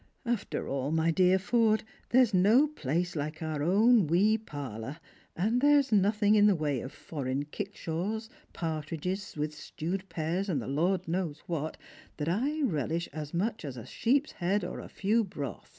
"After all, my dear Forde, there's no place like our own wee parlour ; and there's nothing in the way of foreign kickshaws, partridges with stewed pears, and the Lord knows what, that I rehsh as much as a sheep's head or a few broth.